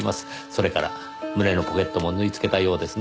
それから胸のポケットも縫いつけたようですねぇ。